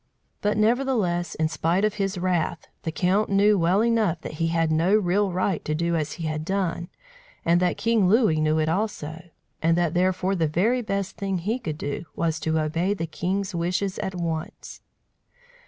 But, nevertheless, in spite of his wrath, the count knew well enough that he had no real right to do as he had done, and that King Louis knew it also; and that therefore the very best thing he could do was to obey the king's wishes at once.